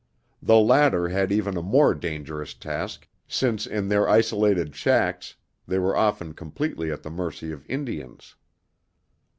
The latter had even a more dangerous task, since in their isolated shacks they were often completely at the mercy of Indians.